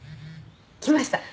来ました。